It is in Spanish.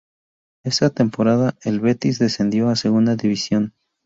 Esa temporada, el Betis descendió a Segunda División.